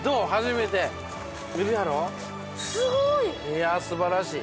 いやあ素晴らしい。